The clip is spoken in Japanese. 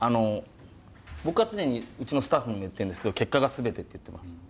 僕は常にうちのスタッフに言ってんですけど結果が全てって言ってます。